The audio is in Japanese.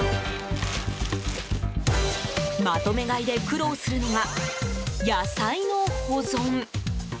まとめ買いで苦労するのが野菜の保存。